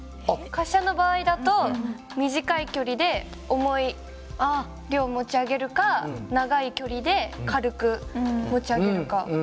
滑車の場合だと短い距離で重い量を持ち上げるか長い距離で軽く持ち上げるか。